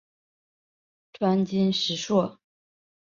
川黔石栎